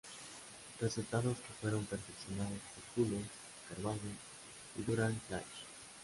Resultados que fueron perfeccionados por Jules Carvallo, y Durand-Claye.